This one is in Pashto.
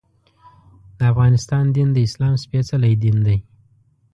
د افغانستان دین د اسلام سپېڅلی دین دی.